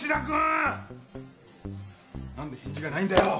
なんで返事がないんだよ！